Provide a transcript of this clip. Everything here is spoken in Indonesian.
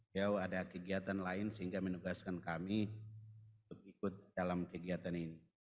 beliau ada kegiatan lain sehingga menugaskan kami untuk ikut dalam kegiatan ini